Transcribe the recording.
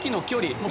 もう。